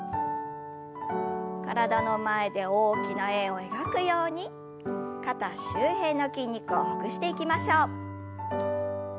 体の前で大きな円を描くように肩周辺の筋肉をほぐしていきましょう。